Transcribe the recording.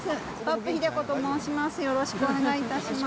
よろしくお願いします。